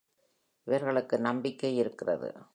இவர்களுக்கு நம்பிக்கை இருக்கிறது.